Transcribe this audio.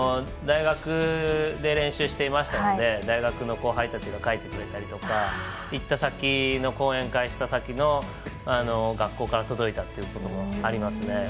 大学で練習していましたので大学の後輩たちが書いてくれたりとか行った先の講演会した先の学校から届いたということもありますね。